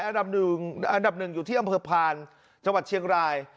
อันดับหนึ่งอันดับหนึ่งอยู่ที่อำเภอพานจังหวัดเชียงราย